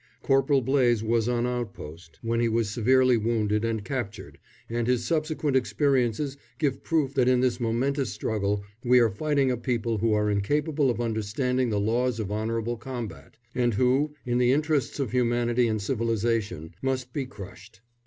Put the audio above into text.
Corporal Blaze was on outpost when he was severely wounded and captured, and his subsequent experiences give proof that in this momentous struggle we are fighting a people who are incapable of understanding the laws of honourable combat, and who, in the interests of humanity and civilisation, must be crushed.